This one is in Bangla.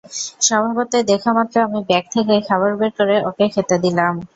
স্বভাবতই, দেখামাত্র আমি ব্যাগ থেকে খাবার বের করে ওকে খেতে দিলাম।